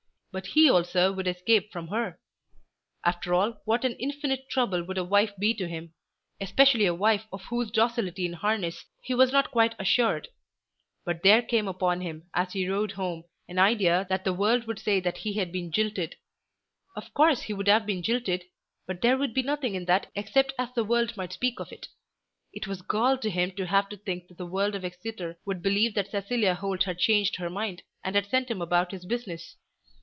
But he also would escape from her. After all, what an infinite trouble would a wife be to him, especially a wife of whose docility in harness he was not quite assured. But there came upon him as he rode home an idea that the world would say that he had been jilted. Of course he would have been jilted, but there would be nothing in that except as the world might speak of it. It was gall to him to have to think that the world of Exeter should believe that Cecilia Holt had changed her mind, and had sent him about his business.